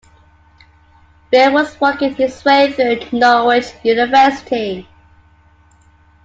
Bill was working his way through Norwich University.